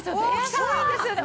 軽いんですよね。